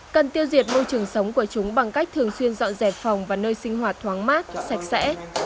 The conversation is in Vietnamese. cần tiêu diệt môi trường sống của chúng bằng cách thường xuyên dọn dẹp phòng và nơi sinh hoạt thoáng mát sạch sẽ